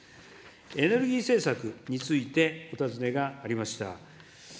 エネルギー政策についてお尋ねがありました。